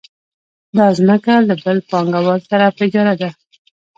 دا ځمکه له بل پانګوال سره په اجاره ده